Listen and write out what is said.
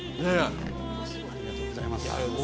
ありがとうございます。